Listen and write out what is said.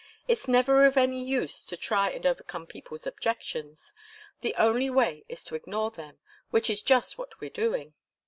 It's never of any use to try and overcome people's objections. The only way is to ignore them, which is just what we're doing."